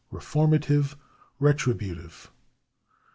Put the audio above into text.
3. Reformative. 4. Retributive.